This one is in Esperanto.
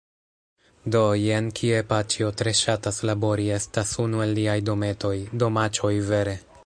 Do, jen kie paĉjo tre ŝatas labori estas unu el liaj dometoj, domaĉoj vere